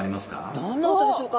どんな音でしょうか？